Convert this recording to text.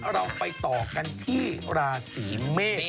เราไปต่อกันที่ราศีเมษ